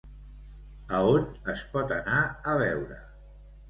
A on es pot anar a veure?